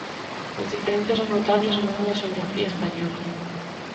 As diferenzas son notables ao longo da xeografía española.